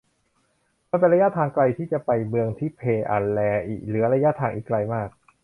มันเป็นระยะทางไกลที่จะไปเมืองทิเพอะแรริเหลือระยะทางอีกไกลมาก